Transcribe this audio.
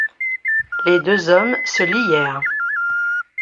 Les deux hommes se lièrent.